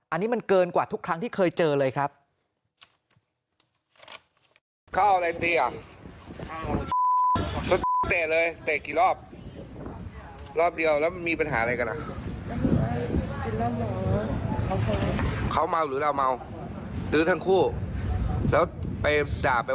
อันนี้มันเกินกว่าทุกครั้งที่เคยเจอเลยครับ